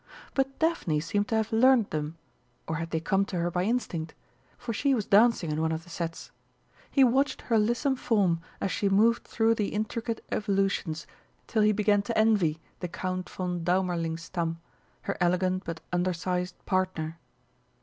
But Daphne seemed to have learnt them or had they come to her by instinct? for she was dancing in one of the sets. He watched her lissome form as she moved through the intricate evolutions till he began to envy the Count von Daumerlingstamm, her elegant but undersized partner.